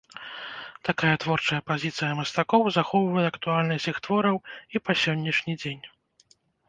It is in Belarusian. Такая творчая пазіцыя мастакоў захоўвае актуальнасць іх твораў і па сённяшні дзень.